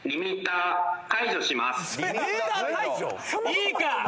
いいか！